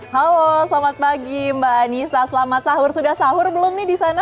halo selamat pagi mbak anissa selamat sahur sudah sahur belum nih di sana